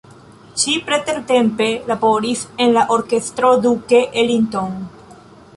Ŝi pretertempe laboris en la Orkestro Duke Ellington.